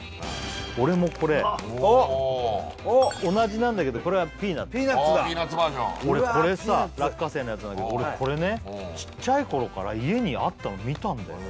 俺もこれ同じなんだけどこれはピーナツピーナツバージョンこれさ落花生のやつなんだけど俺これねちっちゃい頃から家にあったの見たんだよ